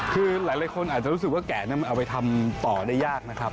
คือหลายคนอาจจะรู้สึกว่าแกะนั้นมันเอาไปทำต่อได้ยากนะครับ